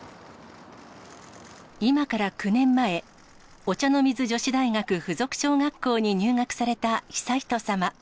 今から９年前、お茶の水女子大学附属小学校に入学された悠仁さま。